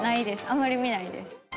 あまり見ないです。